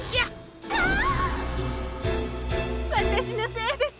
キャ！わたしのせいです。